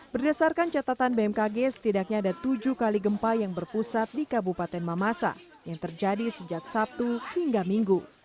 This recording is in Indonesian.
berdasarkan catatan bmkg setidaknya ada tujuh kali gempa yang berpusat di kabupaten mamasa yang terjadi sejak sabtu hingga minggu